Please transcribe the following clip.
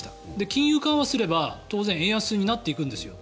金融緩和すれば当然円安になっていくんですよ。